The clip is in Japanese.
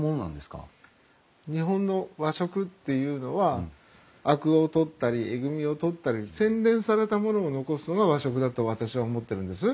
日本の和食っていうのはアクを取ったりエグミを取ったり洗練されたものを残すのが和食だと私は思ってるんです。